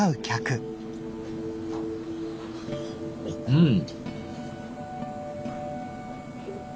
うん。